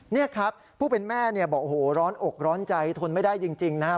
นี่ครับผู้เป็นแม่เนี่ยบอกโอ้โหร้อนอกร้อนใจทนไม่ได้จริงนะครับ